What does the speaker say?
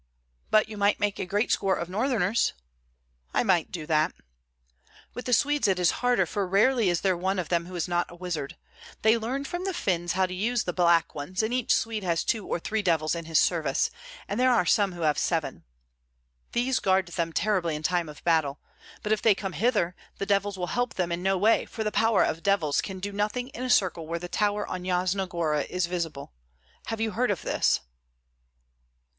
"But you might make a great score of Northerners?" "I might do that." "With the Swedes it is harder, for rarely is there one of them who is not a wizard. They learned from the Finns how to use the black ones, and each Swede has two or three devils in his service, and there are some who have seven. These guard them terribly in time of battle; but if they come hither, the devils will help them in no way, for the power of devils can do nothing in a circle where the tower on Yasna Gora is visible. Have you heard of this?"